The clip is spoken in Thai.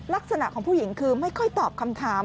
ลักษณะของผู้หญิงคือไม่ค่อยตอบคำถาม